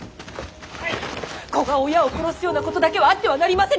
子が親を殺すようなことだけはあってはなりませぬ！